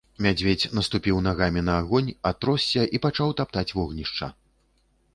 Мядзведзь наступіў нагамі на агонь, атросся і пачаў таптаць вогнішча.